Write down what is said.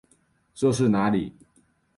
这是哪里？